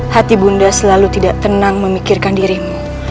hati bunda selalu tidak tenang memikirkan dirimu